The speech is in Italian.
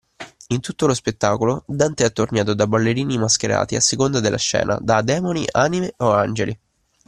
In tutto lo spettacolo Dante è attorniato da ballerini mascherati a seconda della scena: da demoni anime o angeli.